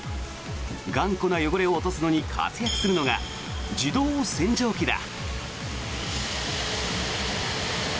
頑固な汚れを落とすのに活躍するのが自動洗浄機だ。